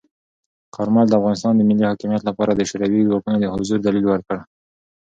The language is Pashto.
کارمل د افغانستان د ملی حاکمیت لپاره د شوروي ځواکونو د حضور دلیل ورکړ.